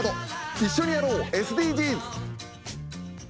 一緒にやろうＳＤＧｓ！